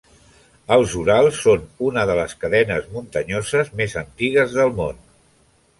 Els Urals són una de les cadenes muntanyoses més antigues del món.